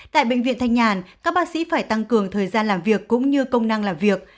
tại bệnh viện thanh nhàn các bác sĩ phải tăng cường thời gian làm việc cũng như công năng làm việc